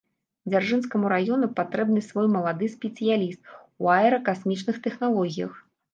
Дзяржынскаму раёну патрэбны свой малады спецыяліст у аэракасмічных тэхналогіях?